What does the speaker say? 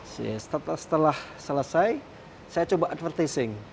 setelah selesai saya coba advertising